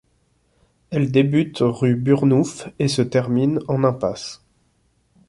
Elle débute rue Burnouf et se termine en impasse.